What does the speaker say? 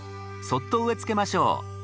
そっと植えつけましょう。